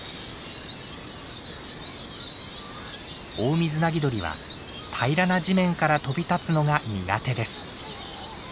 オオミズナギドリは平らな地面から飛び立つのが苦手です。